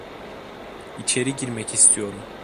İçeri girmek istiyorum.